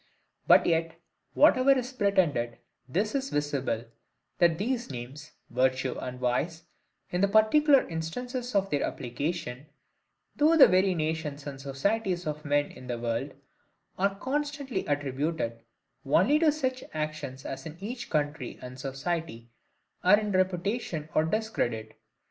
But yet, whatever is pretended, this is visible, that these names, virtue and vice, in the particular instances of their application, through the several nations and societies of men in the world, are constantly attributed only to such actions as in each country and society are in reputation or discredit.